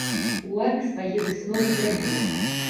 Улада свае высновы зрабіла.